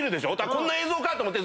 こんな映像かと思って。